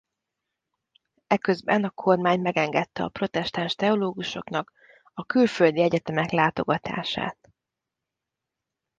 Eközben a kormány megengedte a protestáns teológusoknak a külföldi egyetemek látogatását.